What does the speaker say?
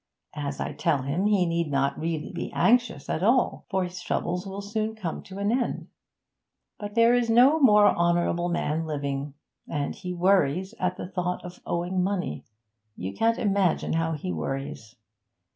As I tell him, he need not really be anxious at all, for his troubles will so soon come to an end. But there is no more honourable man living, and he worries at the thought of owing money you can't imagine how he worries!